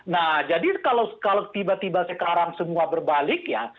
nah jadi kalau tiba tiba sekarang semua berbalik ya